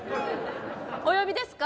お呼びですか？